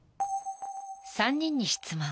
［３人に質問］